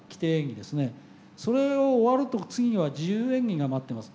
それを終わると次は自由演技が待ってます。